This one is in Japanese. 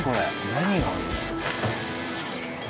何があんの？